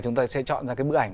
chúng ta sẽ chọn ra cái bức ảnh